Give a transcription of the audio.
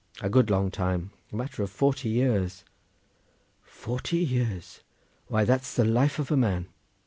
"A good long time. A matter of forty years." "Forty years! why that's the life of a man.